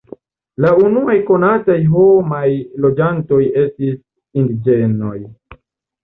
La unuaj konataj homaj loĝantoj estis indiĝenoj.